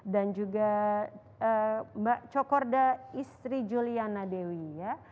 dan juga mbak cokorda istri juliana dewi ya